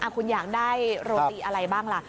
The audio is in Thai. คุณอยากได้โรตีอะไรบ้างล่ะ